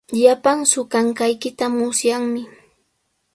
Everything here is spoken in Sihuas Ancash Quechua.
Wallpan suqanqaykita musyanmi.